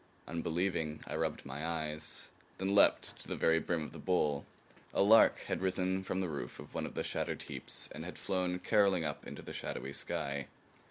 Unbelieving, I rubbed my eyes; then leaped to the very brim of the bowl. A lark had risen from the roof of one of the shattered heaps and had flown caroling up into the shadowy sky.